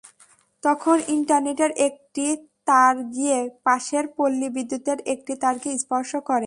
তখন ইন্টারনেটের একটি তার গিয়ে পাশের পল্লী বিদ্যুতের একটি তারকে স্পর্শ করে।